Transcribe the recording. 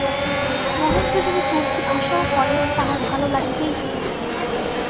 মহেন্দ্র যদি তুর্কি ভাষাও পড়ে, তাঁহার ভালো লাগিতেই হইবে।